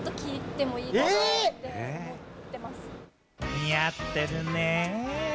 似合ってるね。